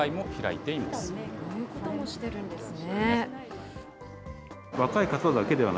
そういうこともしてるんですね。